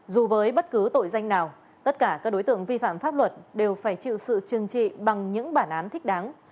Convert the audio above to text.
dù với bất cứ tội danh nào tất cả các đối tượng vi phạm pháp luật đều phải chịu sự trừng trị bằng những bản án thích đáng